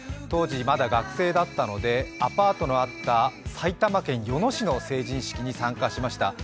当時、まだ学生だったのでアパートのあった埼玉県与野市の成人式に参加しました。